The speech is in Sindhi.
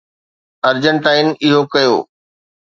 ارجنٽائن اهو ڪيو.